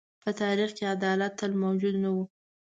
په تاریخ کې عدالت تل موجود نه و.